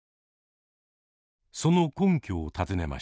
その根拠を尋ねました。